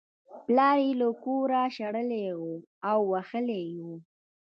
پلار یې له کوره شړلی و او وهلی یې و